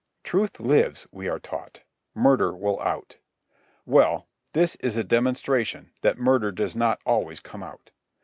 Truth lives, we are taught; murder will out. Well, this is a demonstration that murder does not always come out.